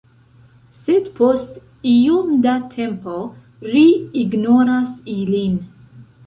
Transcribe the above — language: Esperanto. Sed post iom da tempo, ri ignoras ilin.